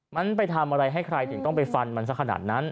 มันไปทำอะไรให้ใครถึงต้องไปฟันมันสักขนาดนั้น